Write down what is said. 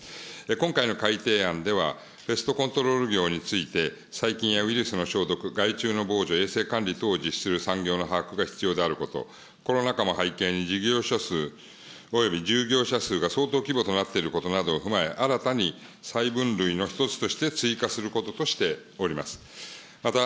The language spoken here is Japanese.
今回の改定案では、ペストコントロール業について、細菌やウイルスの消毒、害虫の防除、衛生管理等の実施する産業の把握が必要であること、コロナ禍も背景に、事業者数、およびじょうぎょうしゃ数が総規模となっていることを踏まえ、新たにさい分類の１つとして追加することとしております。